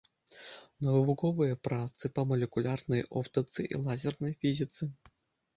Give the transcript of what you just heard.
Навуковыя працы па малекулярнай оптыцы і лазернай фізіцы.